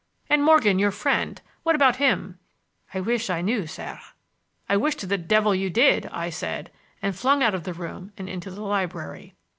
"And Morgan, your friend, what about him?" "I wish I knew, sir." "I wish to the devil you did," I said, and flung out of the room and into the library.